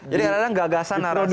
jadi kadang kadang gagasan narasi itu